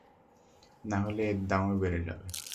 নাহলে এরও দাম বেড়ে যাবে।